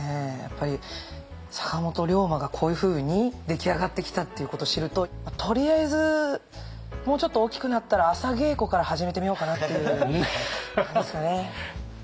坂本龍馬がこういうふうに出来上がってきたっていうことを知るととりあえずもうちょっと大きくなったら朝稽古から始めてみようかなっていう感じですかね。